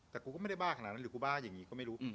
แต่กูก็ไม่ได้บ้าขนาดนั้นหรือกูบ้าอย่างนี้ก็ไม่รู้